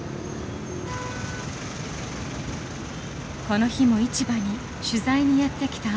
この日も市場に取材にやって来た